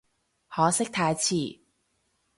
可惜太遲